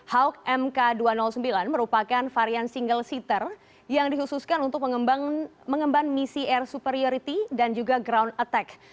hawk mk dua ratus sembilan merupakan varian single seater yang dikhususkan untuk mengemban misi air superiority dan juga ground attack